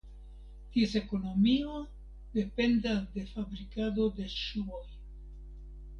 Ties ekonomio dependas de fabrikado de ŝuoj.